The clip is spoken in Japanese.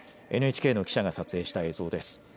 ＮＨＫの記者が撮影した映像です。